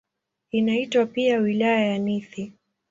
Inaitwa pia "Wilaya ya Nithi".